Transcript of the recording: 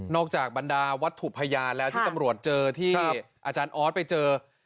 จากบรรดาวัตถุพยานแล้วที่ตำรวจเจอที่อาจารย์ออสไปเจอ